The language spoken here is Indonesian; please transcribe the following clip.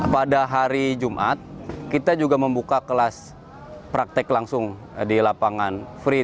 pada hari jumat kita juga membuka kelas praktek langsung di lapangan free